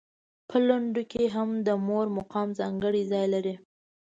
په لنډیو کې هم د مور مقام ځانګړی ځای لري.